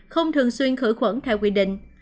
không thường xuyên khử khuẩn theo quy định